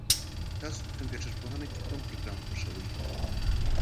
تاسو په کمپيوټر پوهنه کي کوم پروګرام خوښوئ؟